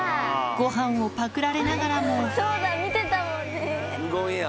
ご飯をパクられながらも無言や。